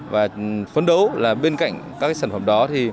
và phấn đấu bên cạnh các sản phẩm đó